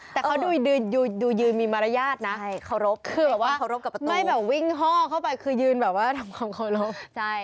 แต่เขาดูยืนมีมารยาทนะเคารพคือแบบว่าไม่แบบวิ่งห้อเข้าไปคือยืนแบบว่าทำความเคารพ